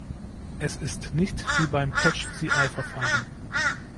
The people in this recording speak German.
Es ist nicht wie beim "Catch-the-Eye"Verfahren.